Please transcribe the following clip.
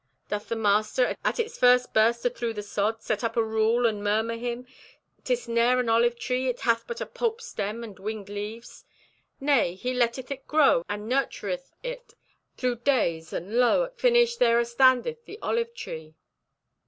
Doth the master, at its first burst athrough the sod, set up a rule and murmur him, ''Tis ne'er an olive tree! It hath but a pulp stem and winged leaves?' Nay, he letteth it to grow, and nurtureth it thro' days, and lo, at finish, there astandeth the olive tree!